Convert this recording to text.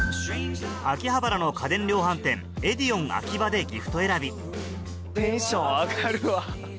秋葉原の家電量販店エディオンＡＫＩＢＡでギフト選びテンション上がるわ。